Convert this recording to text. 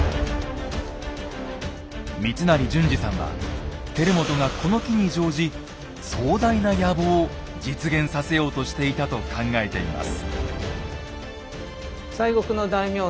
光成準治さんは輝元がこの機に乗じ壮大な野望を実現させようとしていたと考えています。